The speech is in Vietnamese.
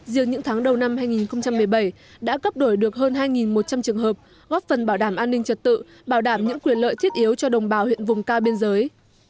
riêng những tháng đầu năm hai nghìn một mươi bảy đã cấp đổi được hơn hai một trăm linh trường hợp góp phần bảo đảm an ninh trật tự bảo đảm những quyền lợi thiết yếu cho đồng bào huyện vùng cao biên giới